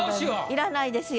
要らないですよ。